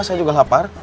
saya juga lapar